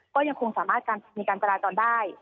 ก็ยังคงสามารถมีการจราจรได้